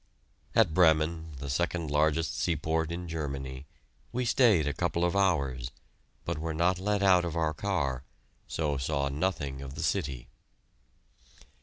At Bremen, the second largest seaport in Germany, we stayed a couple of hours, but were not let out of our car, so saw nothing of the city.